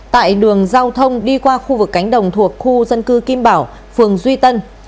tại đường giao thông đi qua khu vực cánh đồng thuộc khu dân cư kim bảo phường duy tân